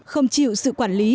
không chịu sự quản lý